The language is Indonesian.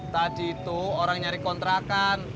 tadi itu orang nyari kontrakan